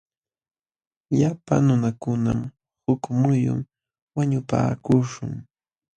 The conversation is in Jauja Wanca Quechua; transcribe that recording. Llapa nunakunam huk muyun wañupaakuśhun.